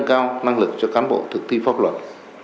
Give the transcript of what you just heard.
cao năng lực cho cán bộ thực thi pháp luật